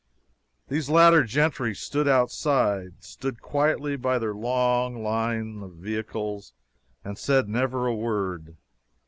These latter gentry stood outside stood quietly by their long line of vehicles and said never a word.